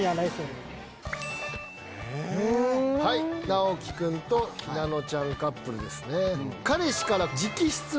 なおきくんとひなのちゃんカップルですね。